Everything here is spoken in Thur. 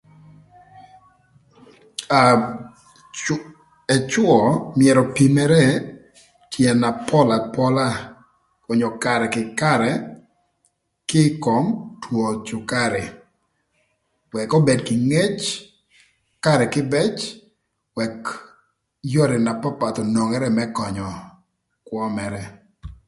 Aa ëcwö myero opimere tyën na pol apola onyo karë kï karë kï ï kom two cükarï wëk obed kï ngec karë kïbëc wëk yore na papath onwongere më könyö kwö mërë.